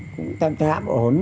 cũng tạm tạm ổn